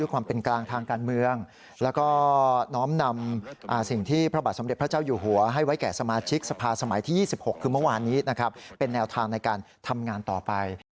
ของทางในการทำงานต่อไป